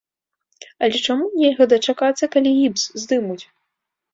Але чаму нельга дачакацца, калі гіпс здымуць?